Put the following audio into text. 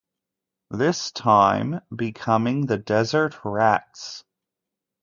This time, becoming the Desert Rats.